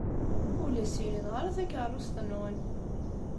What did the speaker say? Ur la ssirideɣ ara takeṛṛust-nwen.